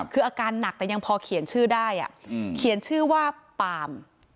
คืออาการหนักแต่ยังพอเขียนชื่อได้เขียนชื่อว่าปาล์ม